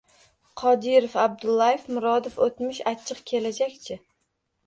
Qodirov, Abdullayev, Murodov... O‘tmish achchiq. Kelajak-chi?